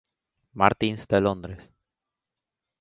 Martins de Londres.